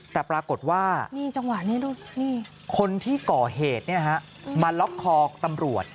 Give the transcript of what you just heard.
แต่ปรากฏว่าคนที่ก่อเหตุมาล็อกคอตำรวจ